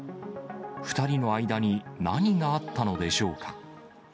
２人の間に何があったのでしょうか。